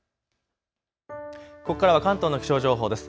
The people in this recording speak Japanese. ここからは関東の気象情報です。